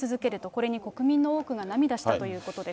これに国民の多くが涙したということです。